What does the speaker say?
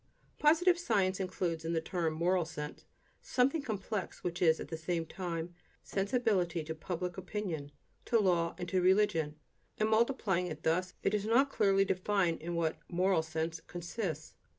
Positive science includes in the term "moral sense" something complex which is, at the same time, sensibility to public opinion, to law, and to religion; and multiplying it thus, it does not clearly define in what "moral sense" consists.